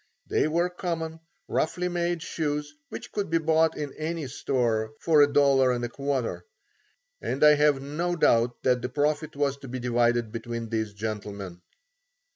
They were common, roughly made shoes which could be bought in any store for $1.25 and I have no doubt that the profit was to be divided between these gentlemen.